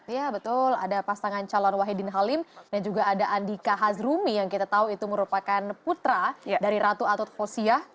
ya betul ada pasangan calon wahidin halim dan juga ada andika hazrumi yang kita tahu itu merupakan putra dari ratu atut khosiyah